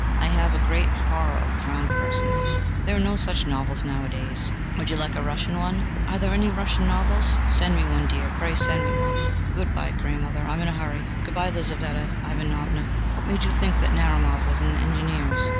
I have a great horror of drowned persons." "There are no such novels nowadays. Would you like a Russian one?" "Are there any Russian novels? Send me one, my dear, pray send me one!" "Good bye, grandmother: I am in a hurry... Good bye, Lizaveta Ivanovna. What made you think that Narumov was in the Engineers?"